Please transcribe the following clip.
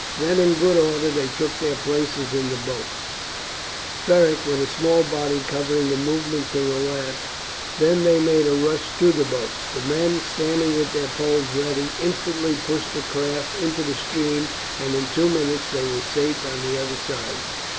Then in good order they took their places in the boats, Beric with a small body covering the movement till the last; then they made a rush to the boats; the men, standing with their poles ready, instantly pushed the craft into the stream, and in two minutes they were safe on the other side.